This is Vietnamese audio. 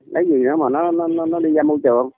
nếu gì nữa mà nó đi ra môi trường